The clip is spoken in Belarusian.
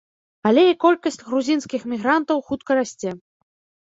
Але і колькасць грузінскіх мігрантаў хутка расце.